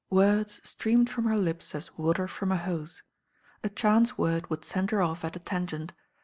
Words streamed from her lips as water from a hose. A chance word would send her off at a tangent.